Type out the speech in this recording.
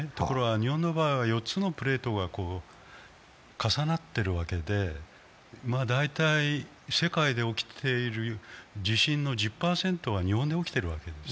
日本の場合は４つのプレートが重なっているわけで、大体世界で起きている地震の１０％は日本で起きているわけです。